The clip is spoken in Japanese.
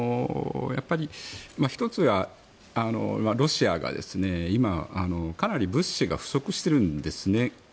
１つはロシアが今、かなり物資が不足しているんですね。